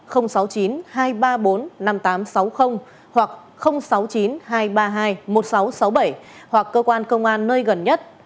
hoặc sáu mươi chín hai trăm ba mươi hai một nghìn sáu trăm sáu mươi bảy hoặc cơ quan công an nơi gần nhất